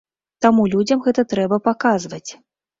Таму людзям гэта трэба паказваць.